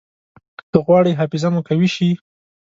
که غواړئ حافظه مو قوي شي.